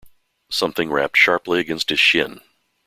Something rapped sharply against his shin.